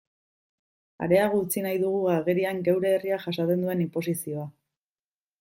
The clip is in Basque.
Areago utzi nahi dugu agerian geure herriak jasaten duen inposizioa.